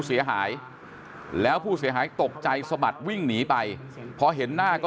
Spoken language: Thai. เสียหายแล้วผู้เสียหายตกใจสมัครวิ่งหนีไปพอเห็นหน้าก็